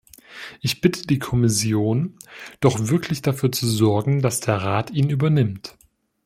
Ich bitte die Kommission, doch wirklich dafür zu sorgen, dass der Rat ihn übernimmt.